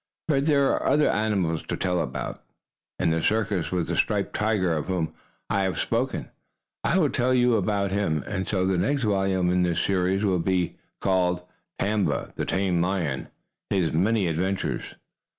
But there are other animals to tell about. In the circus was a striped tiger, of whom I have spoken. I think I will tell you about him. And so the next volume in this series will be called: "Tamba, the Tame Tiger: His Many Adventures."